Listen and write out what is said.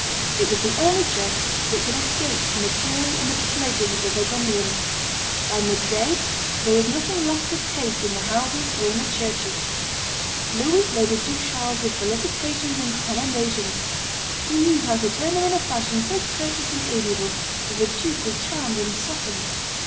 It was the only church which had escaped from the fury and the pillaging of the Burgundians; by midday there was nothing left to take in the houses or in the churches. Louis loaded Duke Charles with felicitations and commendations: "He knew how to turn them in a fashion so courteous and amiable that the duke was charmed and softened."